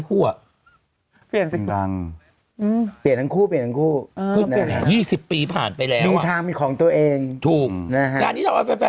ไหนเปลี่ยนเยอะกว่ากันอ่ะแม่